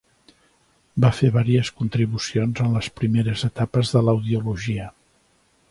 Va fer vàries contribucions en les primeres etapes de la audiologia.